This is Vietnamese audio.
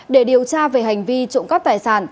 để điều tra về hành vi trộm cắp tài sản